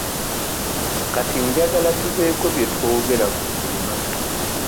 Kati njagala tubeeko bye twogera ku kulima.